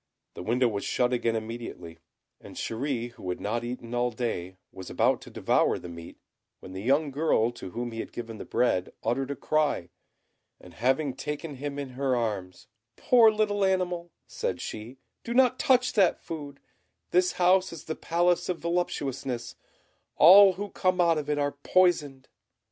The window was shut again immediately; and Chéri, who had not eaten all day, was about to devour the meat, when the young girl to whom he had given the bread uttered a cry, and having taken him in her arms, "Poor little animal," said she, "do not touch that food; this house is the Palace of Voluptuousness; all who come out of it are poisoned."